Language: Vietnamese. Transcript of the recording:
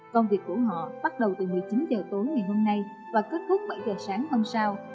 công việc của họ bắt đầu từ một mươi chín h tối ngày hôm nay và kết thúc bảy h sáng hôm sau